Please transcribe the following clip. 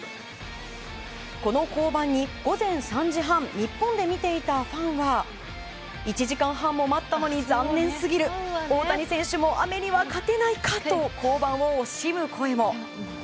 この降板に午前３時半日本で見ていたファンは１時間半も待ったのに残念すぎる大谷選手も雨には勝てないかと降板を惜しむ声も。